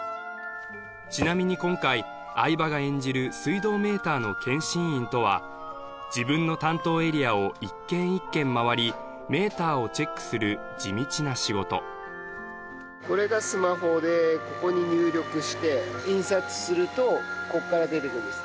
ちなみに今回相葉が演じる水道メーターの検針員とは自分の担当エリアを一軒一軒回りメーターをチェックする地道な仕事これがスマホでここに入力して印刷するとこっから出てくるんです